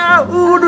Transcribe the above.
aduh aduh aduh